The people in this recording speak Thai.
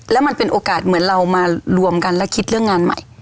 แล้วมันเป็นโอกาสเหมือนเรามารวมกันและคิดเรื่องงานใหม่